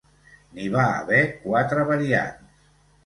N'hi va haver quatre variants.